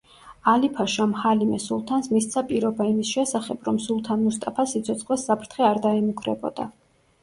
ალი-ფაშამ ჰალიმე სულთანს მისცა პირობა იმის შესახებ, რომ სულთან მუსტაფას სიცოცხლეს საფრთხე არ დაემუქრებოდა.